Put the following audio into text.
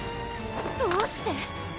どうして？